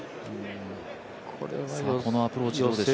このアプローチどうでしょう。